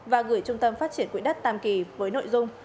và gửi trung tâm phát triển quỹ đất tam kỳ với nội dung